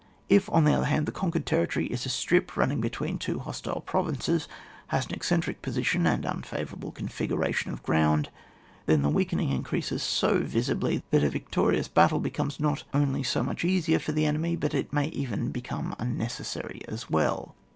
If, on the other hand, the conquered territory is a strip running up between hostile provinces, has an eccentric posi tion and unfavourable configuration of ground, then the weakening increases so CHAP. Vn.3 LIMITED OBJECT^OFFjENSIVE WAR, 71 yisibly that a victorious battle becomes not only much easier for the enemy, but it may even become unnecessary as well.